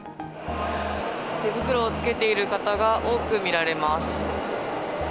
手袋をつけている方が多く見られます。